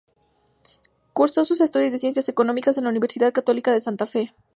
Cursó sus estudios de Ciencias Económicas en la Universidad Católica de Santa Fe.